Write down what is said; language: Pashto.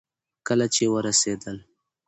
کله چې ورسېدل